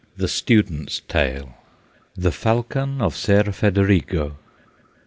THE STUDENT'S TALE. THE FALCON OF SER FEDERIGO.